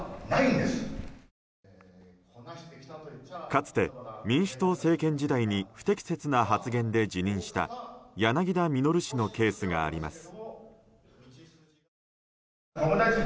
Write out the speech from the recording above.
かつて民主党政権時代に不適切な発言で辞任した柳田稔氏のケースがあります。